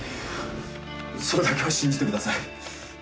それだけは信じてください。